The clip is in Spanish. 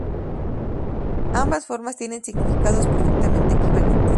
Ambas formas tienen significados perfectamente equivalentes.